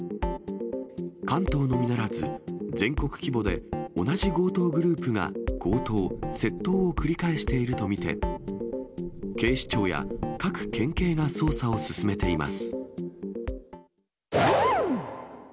関東のみならず、全国規模で同じ強盗グループが、強盗・窃盗を繰り返していると見て、警視庁や各県警が捜査を進めています。